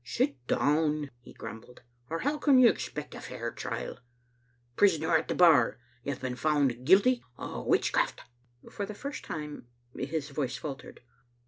"Sit down," he grumbled, "or how can you expect a fair trial? Prisoner at the bar, you have been found guilty of witchcraft. " For the first time his voice faltered.